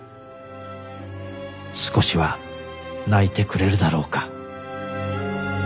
少しは泣いてくれるだろうか。